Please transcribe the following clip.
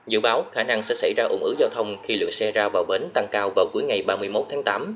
dự báo khả năng sẽ xảy ra ủng ứ giao thông khi lượng xe ra vào bến tăng cao vào cuối ngày ba mươi một tháng tám